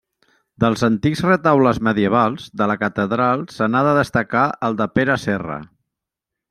Dels antics retaules medievals de la catedral se n'ha de destacar el de Pere Serra.